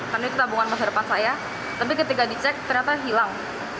karena itu tabungan masa depan saya tapi ketika dicek ternyata hilang